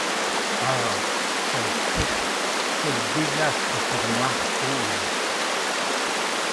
Ah ! quelle perte ! quel désastre pour noire cause !